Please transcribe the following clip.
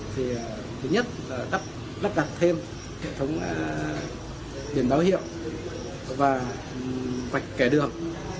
thì thứ nhất là đắp đặt thêm kệ thống biển báo hiệu và vạch kẻ đường